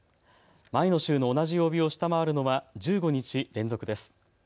前の週の同じ曜日を下回るのは１５日連続です。